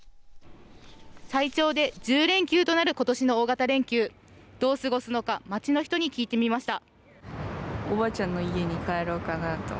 最長で１０連休となることしの大型連休どう過ごすのか街の人に聞いてみました。